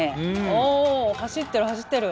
おお走ってる走ってる！